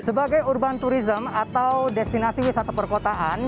sebagai urban tourism atau destinasi wisata perkotaan